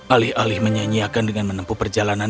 alih alih menyanyiakan dengan menempuh perjalanan